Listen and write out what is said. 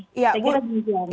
saya kira gijal